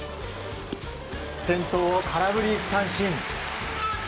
先頭を空振り三振。